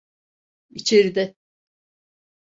İçeride.